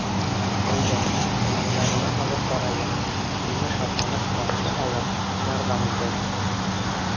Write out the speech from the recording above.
Әйҙә, уның янына алып барайым, һине шатланып ҡаршы алыр, ярҙам итер.